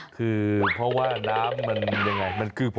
คือเพราะว่าน้ำมันยังไงมันคือพอ